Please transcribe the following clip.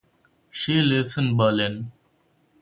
She lives in Berlin.